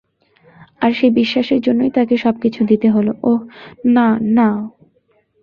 আর সেই বিশ্বাসের জন্যই তাকে সবকিছু দিতে হলো ওহ, না, না।